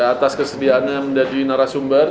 atas kesediaannya menjadi narasumber